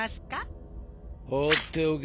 放っておけ。